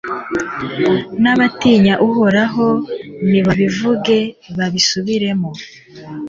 n'abatinya uhoraho nibabivuge babisubiremo